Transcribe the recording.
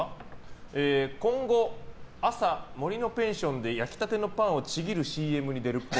今後、朝森のペンションで焼きたてのパンをちぎるＣＭに出るっぽい。